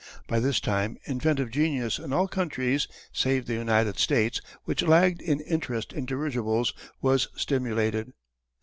By this time inventive genius in all countries save the United States which lagged in interest in dirigibles was stimulated.